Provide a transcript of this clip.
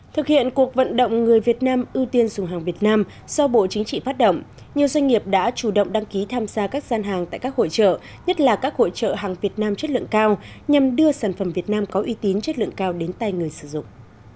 thực hiện cuộc vận động người việt nam ưu tiên dùng hàng việt nam do bộ chính trị phát động nhiều doanh nghiệp đã chủ động đăng ký tham gia các gian hàng tại các hội trợ nhất là các hội trợ hàng việt nam chất lượng cao nhằm đưa sản phẩm việt nam có uy tín chất lượng cao đến tay người sử dụng